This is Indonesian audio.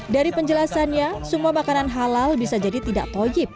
dari penjelasannya semua makanan halal bisa jadi tidak tojib